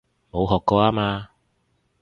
冇學過吖嘛